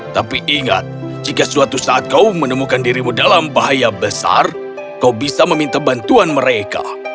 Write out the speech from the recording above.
tapi ingat jika suatu saat kau menemukan dirimu dalam bahaya besar kau bisa meminta bantuan mereka